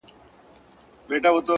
د دغه ټپ د رغېدلو کيسه ختمه نه ده;